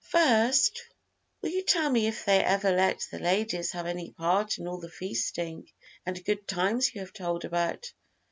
"First, will you tell me if they ever let the ladies have any part in all the feasting and good times you have told about?"